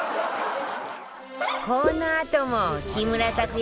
このあとも木村拓哉